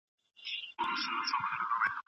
سمارټ وسایل د زده کړې لپاره ګټور دي.